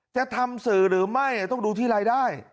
จะทำสื่อหรือไม่ต้องดูที่รายได้